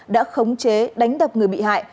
đã khống chế đánh đập người bị hại